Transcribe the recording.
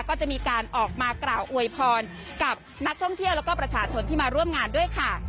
ก็จะมีการออกมากล่าวอวยพรกับนักท่องเที่ยวแล้วก็ประชาชนที่มาร่วมงานด้วยค่ะ